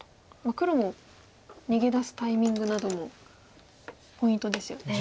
黒も逃げ出すタイミングなどもポイントですよね。